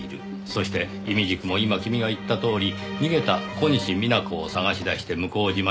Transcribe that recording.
そしていみじくも今君が言ったとおり逃げた小西皆子を捜し出して向島に現れた。